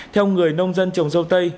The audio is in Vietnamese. theo người nông dân trồng dâu tây